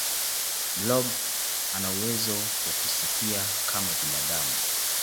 blob anauwezo wa kusikia kama binadamu